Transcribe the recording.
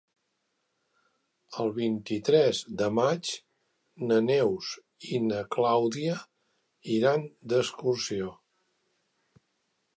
El vint-i-tres de maig na Neus i na Clàudia iran d'excursió.